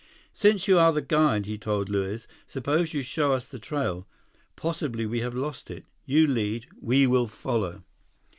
"Since you are the guide," he told Luiz, "suppose you show us the trail. Possibly we have lost it. You lead; we will follow."